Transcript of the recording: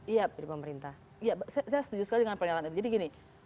iya saya setuju sekali dengan pernyataannya jadi gini